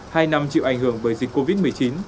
hai năm chịu ảnh hưởng bởi dịch covid một mươi chín